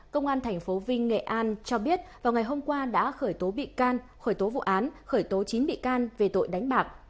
công an tp vinh nghệ an cho biết vào ngày hôm qua đã khởi tố bị can khởi tố vụ án khởi tố chín bị can về tội đánh bạc